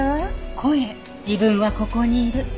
「自分はここにいる」。